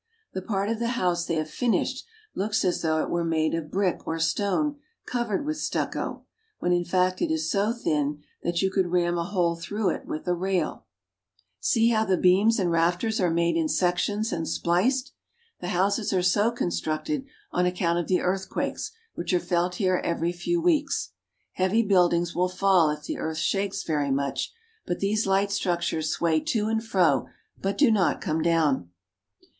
The part of the house they have finished looks as though it were made of brick or stone covered with stucco, when in fact it is so thin that you could ram a hole through it with a rail. See how the 42 ECUADOR. beams and rafters are made in sections and spliced. The houses are so constructed on account of the earthquakes which are felt here every few weeks. Heavy buildings will fall if the earth shakes very much, but these light structures sway to and fro, but do not come down.